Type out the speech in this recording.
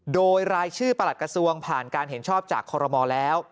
โดยรายชื่อประหลัดกระทรวงผ่านการเห็นชอบจากคอรมอลแล้ว